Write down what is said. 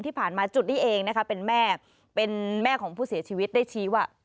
ที่ผ่านมาจุดนี้เองนะคะเป็นแม่เป็นแม่ของผู้เสียชีวิตได้ชี้ว่า